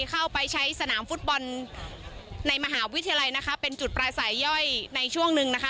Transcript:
เข้าไปใช้สนามฟุตบอลในมหาวิทยาลัยนะคะเป็นจุดปลาสายย่อยในช่วงหนึ่งนะคะ